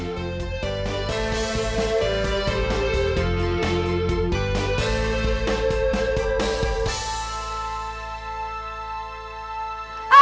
sampai jumpa lagi